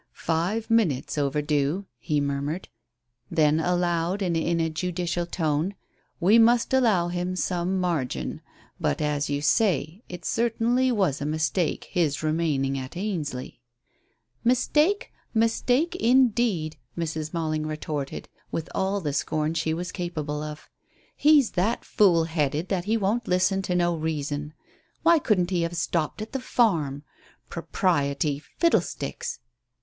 "Five minutes overdue," he murmured. Then aloud and in a judicial tone: "We must allow him some margin. But, as you say, it certainly was a mistake his remaining at Ainsley." "Mistake mistake, indeed," Mrs. Malling retorted, with all the scorn she was capable of. "He's that fool headed that he won't listen to no reason. Why couldn't he have stopped at the farm? Propriety fiddlesticks!"